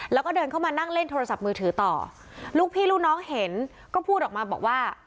แล้วก็เดินเข้ามานั่งเล่นโทรศัพท์มือถือต่อลูกพี่ลูกน้องเห็นก็พูดออกมาบอกว่า